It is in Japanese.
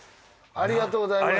ありがとうございます。